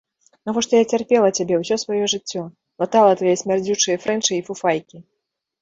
Навошта я цярпела цябе ўсё сваё жыццё, латала твае смярдзючыя фрэнчы і фуфайкі.